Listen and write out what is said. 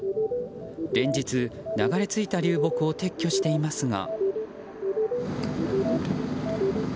連日、流れ着いた流木を撤去していますが。